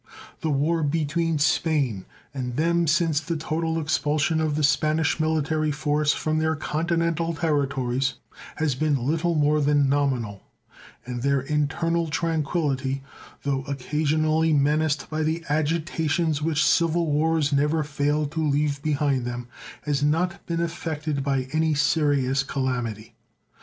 The war between Spain and them since the total expulsion of the Spanish military force from their continental territories has been little more than nominal, and their internal tranquillity, though occasionally menaced by the agitations which civil wars never fail to leave behind them, has not been affected by any serious calamity.